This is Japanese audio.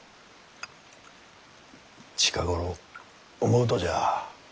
近頃思うとじゃ。